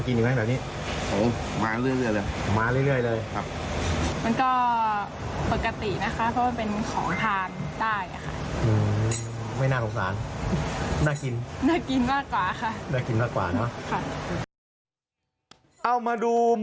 กินกันทั่วไปครับครับผมครับ